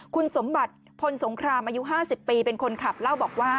คุณสมบัติพลสงครามอายุ๕๐ปีเป็นคนขับ